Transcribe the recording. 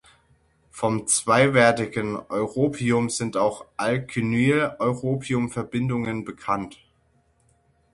Vom zweiwertigen Europium sind auch Alkinyl-Europium-Verbindungen bekannt.